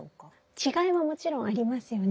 違いはもちろんありますよね。